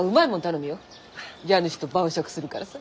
家主と晩酌するからさ。